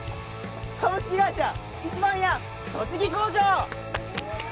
「株式会社壱番屋栃木工場」！